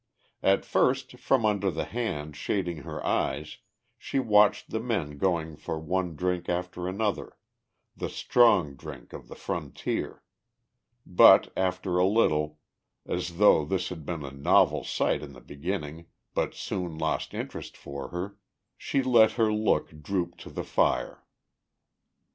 At first from under the hand shading her eyes she watched the men going for one drink after another, the strong drink of the frontier; but after a little, as though this had been a novel sight in the beginning but soon lost interest for her, she let her look droop to the fire.